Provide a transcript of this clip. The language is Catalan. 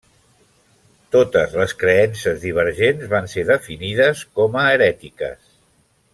Totes les creences divergents van ser definides com a herètiques.